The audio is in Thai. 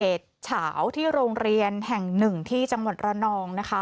เหตุเฉาที่โรงเรียนแห่งหนึ่งที่จังหวัดระนองนะคะ